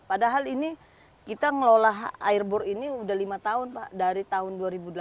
padahal ini kita ngelola airbor ini sudah lima tahun pak dari tahun dua ribu delapan belas